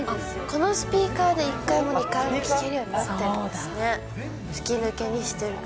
このスピーカーで１階も２階も聴けるようになってるんですね。